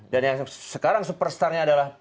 dan yang sekarang superstarnya adalah